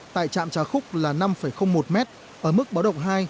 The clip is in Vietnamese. tại trạm trà khúc là năm một m ở mức báo động hai